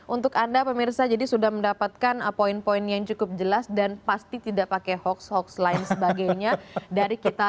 untuk anda pemirsa jadi sudah mendapatkan poin poin yang cukup jelas dan pasti tidak pakai hoax hoax lain sebagainya dari kita